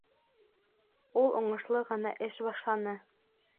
Ул уңышлы ғына эш башланы.